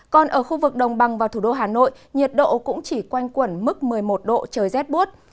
còn ở khu vực đồng bằng và thủ đô hà nội nhiệt độ cũng chỉ quanh quẩn mức một mươi một độ trời rét bút